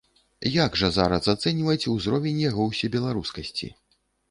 Як жа зараз ацэньваць узровень яго ўсебеларускасці?